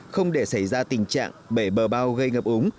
không để xảy ra tình trạng bể bờ bao gây ngập úng